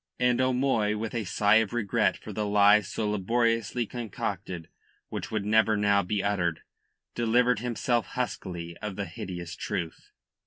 And O'Moy, with a sigh of regret for the lie so laboriously concocted which would never now be uttered, delivered himself huskily of the hideous truth.